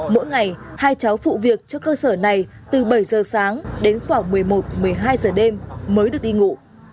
mỗi ngày hai cháu phụ việc cho cơ sở này từ bảy giờ sáng đến khoảng một mươi một một mươi hai giờ đêm mới được đi ngủ